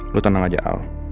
lo tenang aja al